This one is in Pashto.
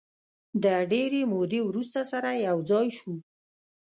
د ډېرې مودې وروسته سره یو ځای شوو.